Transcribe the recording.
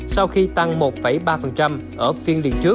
sau khi tăng một ba ở phiên liên trước